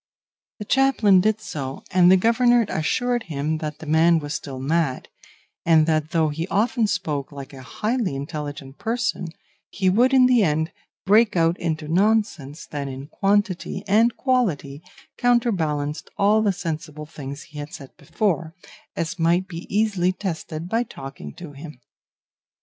The chaplain did so, and the governor assured him that the man was still mad, and that though he often spoke like a highly intelligent person, he would in the end break out into nonsense that in quantity and quality counterbalanced all the sensible things he had said before, as might be easily tested by talking to him.